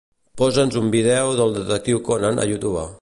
Posa'ns un vídeo d'"El detectiu Conan" a YouTube.